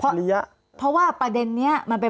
พี่เรื่องมันยังไงอะไรยังไง